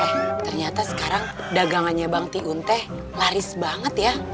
eh ternyata sekarang dagangannya bang tiun teh laris banget ya